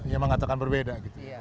yang mengatakan berbeda